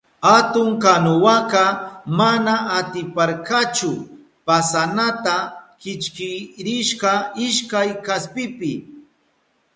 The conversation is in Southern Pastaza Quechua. Atun kanuwaka mana atiparkachu pasanata, kichkirishka ishkay kaspipi.